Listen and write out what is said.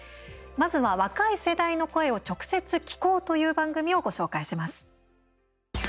まずは若い世代の声を直接聴こうという番組をご紹介します。